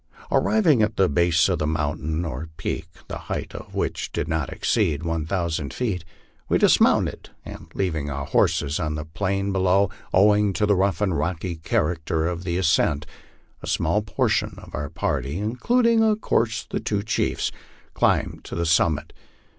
Arriving at the base of the mountain or peak, the height of which did not exceed one thousand feet, we dismounted, and leaving our horses on the plain below, owing to the rough and rocky character of the ascent, a small portion of our party, including of course, the two chiefs, climbed to the sum mit.